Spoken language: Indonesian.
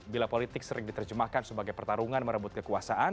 bila politik sering diterjemahkan sebagai pertarungan merebut kekuasaan